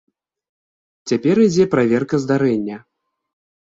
Цяпер ідзе праверка здарэння.